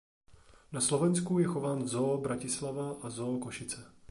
Na Slovensku je chován v Zoo Bratislava a Zoo Košice.